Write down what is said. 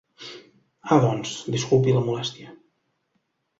Ah, doncs disculpi la molèstia.